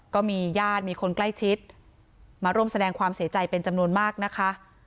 ก็มีญาติมีคนใกล้ชิดมาร่วมแสดงความเสียใจเป็นจำนวนมากนะคะ